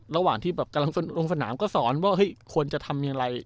ระหว่างที่แบบกำลังลงสนามก็สอนว่าเฮ้ยควรจะทำอย่างไร